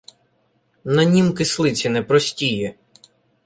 На нім кислиці не простії